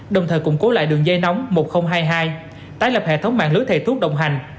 đồng thời củng cố lại đường dây nóng một nghìn hai mươi hai tái lập hệ thống mạng lưới thầy thuốc đồng hành